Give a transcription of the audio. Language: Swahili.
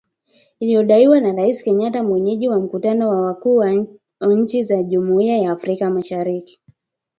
iliyoandaliwa na Rais Kenyatta mwenyeji wa mkutano wa wakuu wa nchi za jumuia ya Afrika mashariki